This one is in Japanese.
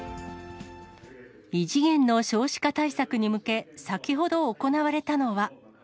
異次元の少子化対策に向け、先ほど行われたのは。